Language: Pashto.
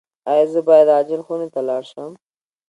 ایا زه باید عاجل خونې ته لاړ شم؟